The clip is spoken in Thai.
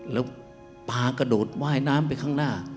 แล้วปลากระโดดว่ายน้ำไปข้างหน้า